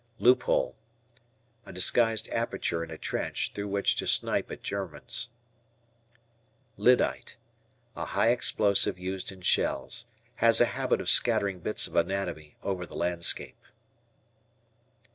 Loophole. A disguised aperture in a trench through which to "snipe" at Germans. Lyddite. A high explosive used in shells. Has a habit of scattering bits of anatomy over the landscape.